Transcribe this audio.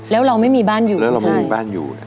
แล้วเราไม่มีบ้านอยู่